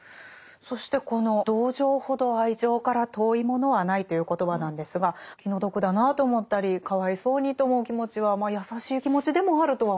そしてこの「同情ほど愛情から遠いものはない」という言葉なんですが気の毒だなと思ったりかわいそうにと思う気持ちは優しい気持ちでもあるとは思いますけど。